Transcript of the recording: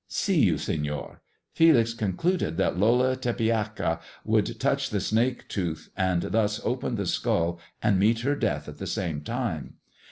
'' "See you, Senor. Felix concluded that Lola Tepeaca would touch the snake tooth and thus open the skull and meet her death at the same time.